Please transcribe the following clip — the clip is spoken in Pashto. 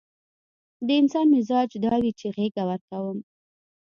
د انسان مزاج دا وي چې غېږه ورکوم.